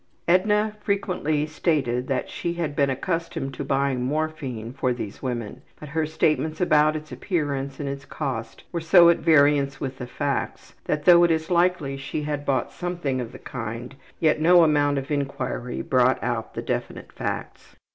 Edna frequently stated she had been accustomed to buying morphine for these women, but her statements about its appearance and its cost were so at variance with the facts that though it is likely she had bought something of the kind, yet no amount of inquiry brought out the definite facts.